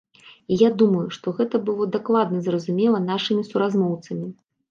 І я думаю, што гэта было дакладна зразумела нашымі суразмоўцамі.